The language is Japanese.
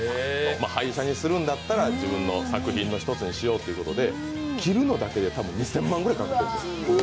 廃車にするんだったら自分の作品の一つにしようということで切るのだけで、２０００万ぐらいかけてるんです。